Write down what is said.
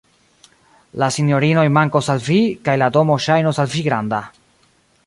La sinjorinoj mankos al vi, kaj la domo ŝajnos al vi granda.